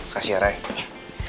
kasih ya raya